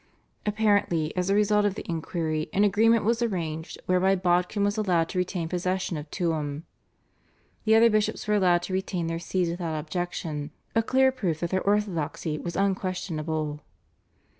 Apparently, as a result of the inquiry, an agreement was arranged whereby Bodkin was allowed to retain possession of Tuam. The other bishops were allowed to retain their Sees without objection, a clear proof that their orthodoxy was unquestionable.